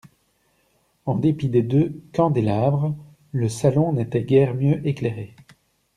En dépit des deux candélabres, le salon n'était guère mieux éclairé.